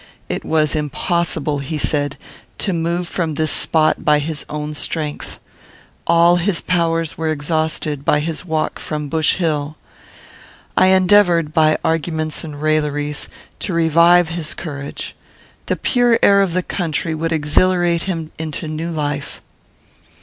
It was impossible, he said, to move from this spot by his own strength. All his powers were exhausted by his walk from Bush Hill. I endeavoured, by arguments and railleries, to revive his courage. The pure air of the country would exhilarate him into new life.